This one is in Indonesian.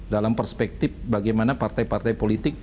dalam perspektif bagaimana partai partai politik